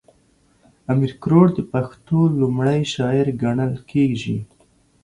امير کروړ د پښتو ړومبی شاعر ګڼلی کيږي